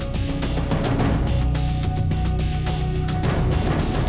dimana anakku ya allah